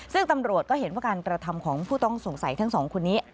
ซึ่งตำรวจก็เห็นว่าการกระทำของผู้ต้องสงสัยทั้งสองคนนี้